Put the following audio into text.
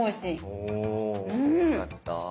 およかった。